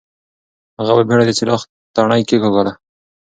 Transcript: هغه په بېړه د څراغ تڼۍ کېکاږله.